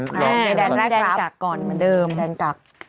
ไปแดนแรกแดงกักก่อนเหมือนเดิมแดนกัก